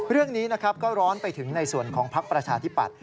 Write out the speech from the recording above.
เรื่องนี้นะครับก็ร้อนไปถึงในส่วนของพักประชาธิปัตย